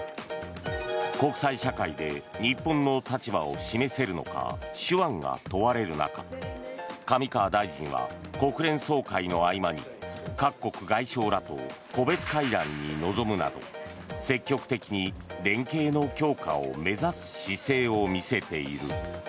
国際社会で日本の立場を示せるのか、手腕が問われる中上川大臣は国連総会の合間に各国外相らと個別会談に臨むなど積極的に連携の強化を目指す姿勢を見せている。